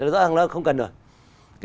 rõ ràng nó không cần được